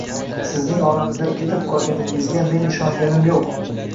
Sizning oramizdan ketib qolganingizga men ishonganim yo‘q.